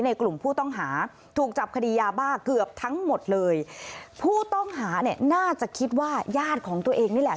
กลุ่มผู้ต้องหาถูกจับคดียาบ้าเกือบทั้งหมดเลยผู้ต้องหาเนี่ยน่าจะคิดว่าญาติของตัวเองนี่แหละ